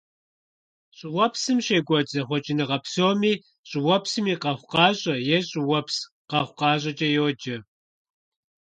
ЩӀыуэпсым щекӀуэкӀ зэхъуэкӀыныгъэ псоми щӀыуэпсым и къэхъукъащӀэ е щӀыуэпс къэхъукъащӀэкӀэ йоджэ.